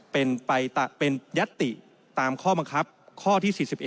เป็นยัตติตามข้อบังคับข้อที่๔๑